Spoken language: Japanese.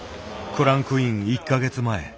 クランクイン１か月前。